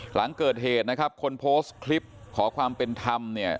หลังเกิดเหตุนะครับคนโพสต์คลิปขอความเป็นธรรมเนี่ย